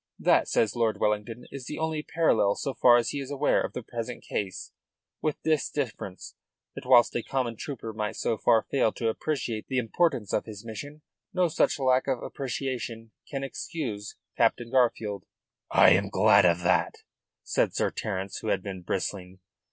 That, says Lord Wellington, is the only parallel, so far as he is aware, of the present case, with this difference, that whilst a common trooper might so far fail to appreciate the importance of his mission, no such lack of appreciation can excuse Captain Garfield." "I am glad of that," said Sir Terence, who had been bristling.